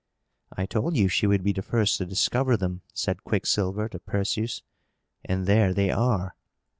"I told you she would be the first to discover them," said Quicksilver to Perseus. "And there they are!"